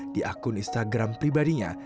di akun instagram pribadinya